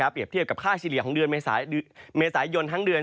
เปรียบเทียบกับค่าเดือนเมษายนทั้งเดือน